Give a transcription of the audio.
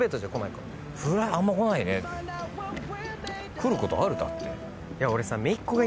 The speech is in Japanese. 来ることある？だって。